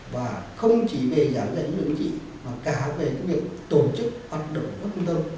và không chỉ về giảng dạy với đối với chính trị mà cả về công việc tổ chức hoạt động của trung tâm